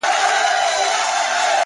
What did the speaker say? د روح څه قصور نه و حرکت خاورې ايرې کړ _